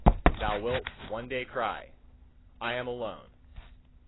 Thou wilt one day cry: "I am alone!"